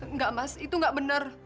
enggak mas itu nggak benar